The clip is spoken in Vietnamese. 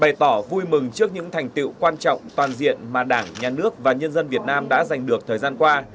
bày tỏ vui mừng trước những thành tiệu quan trọng toàn diện mà đảng nhà nước và nhân dân việt nam đã giành được thời gian qua